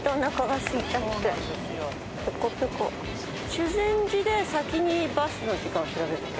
修善寺で先にバスの時間を調べるんだっけ？